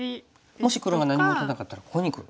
もし黒が何も打たなかったらここにくる。